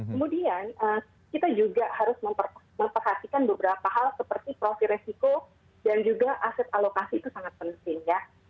kemudian kita juga harus memperhatikan beberapa hal seperti profil resiko dan juga aset alokasi itu sangat penting ya